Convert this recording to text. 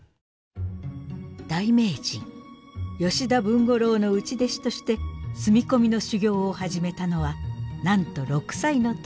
大名人吉田文五郎の内弟子として住み込みの修業を始めたのはなんと６歳の時。